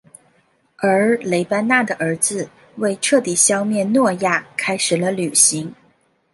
而雷班纳的儿子为彻底消灭诺亚开始了旅行。